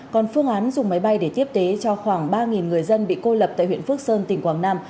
còn phương án dùng máy bay để tiếp tế cho khoảng ba người dân bị cô lập tại huyện phước sơn tỉnh quảng nam